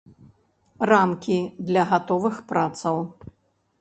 Рамкі для гатовых працаў.